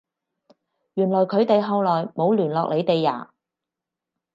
原來佢哋後來冇聯絡你哋呀？